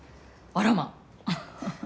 あらまあ！